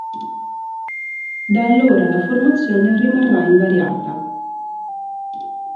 Da allora la formazione rimarrà invariata.